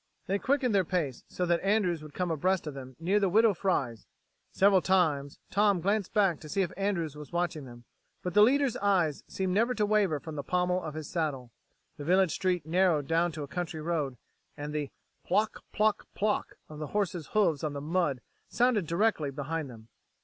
They quickened their pace so that Andrews would come abreast of them near the Widow Fry's. Several times Tom glanced back to see if Andrews was watching them, but the leader's eyes seemed never to waver from the pommel of his saddle. The village street narrowed down to a country road, and the "plock plock plock" of the horse's hoofs on the mud sounded directly behind them.